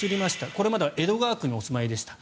これまでは江戸川区にお住まいでした。